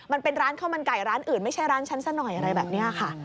มันเป็นร้านข้าวมันไก่ร้านอื่นไม่ใช่ร้านฉันซะหน่อยอะไรแบบนี้ค่ะ